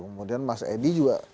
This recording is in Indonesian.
kemudian mas edi juga